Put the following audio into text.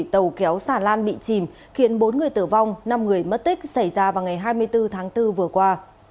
tàu kéo sản lan bị chìm khiến bốn người tử vong năm người mất tích xảy ra vào ngày hai mươi bốn tháng bốn vừa qua